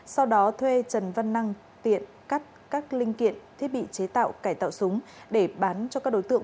sau đó thuê trần văn năng tiện cắt các linh kiện thiết bị chế tạo cải tạo súng để bán cho các đối tượng